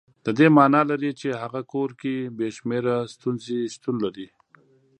د دې معنا لري چې هغه کور کې بې شمېره ستونزې شتون لري.